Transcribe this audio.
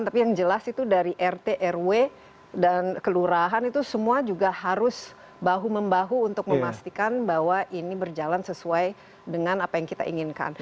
tapi yang jelas itu dari rt rw dan kelurahan itu semua juga harus bahu membahu untuk memastikan bahwa ini berjalan sesuai dengan apa yang kita inginkan